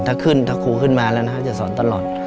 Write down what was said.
ถ้าครูขึ้นมาแล้วนะครับจะสอนตลอด